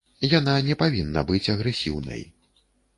Яна не павінна быць агрэсіўнай.